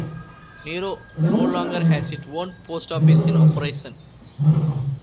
Nero no longer has its own post office in operation.